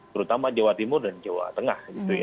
terutama jawa timur dan jawa tengah